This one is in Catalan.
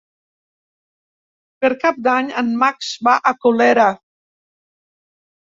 Per Cap d'Any en Max va a Colera.